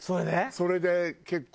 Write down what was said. それで結構私。